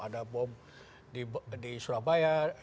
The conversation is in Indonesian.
ada bom di surabaya